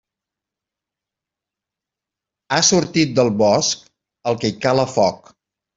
Ha sortit del bosc, el que hi cala foc.